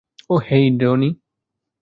হেই, Donny.